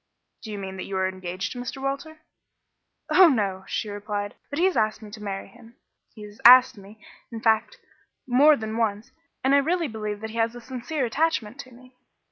"Do you mean that you are engaged to Mr. Walter?" "Oh, no," she replied; "but he has asked me to marry him he has asked me, in fact, more than once; and I really believe that he has a sincere attachment to me."